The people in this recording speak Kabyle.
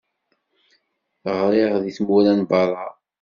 Ɣṛiɣ di tmura n beṛṛa.